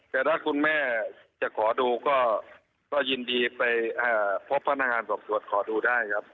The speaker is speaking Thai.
แต่ถ้าคุณแม่จะขอดูก็ยินดีไปพบพนักงานสอบสวนขอดูได้ครับ